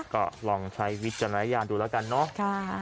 ก็ลองใช้วิจารณญาณดูแล้วกันเนาะ